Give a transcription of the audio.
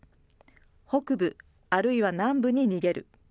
北部、あるいは南部に逃げる。